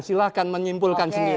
silahkan menyimpulkan sendiri